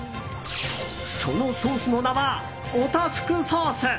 そのソースの名はオタフクソース。